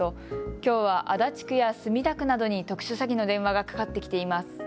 きょうは足立区や墨田区などに特殊詐欺の電話がかかってきています。